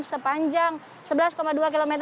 sepanjang sebelas dua km